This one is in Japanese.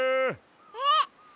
えっ！